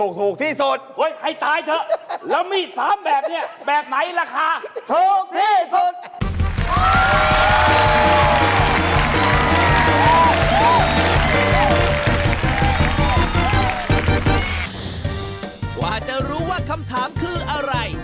กว่าจะรู้ว่าคำถามคืออะไร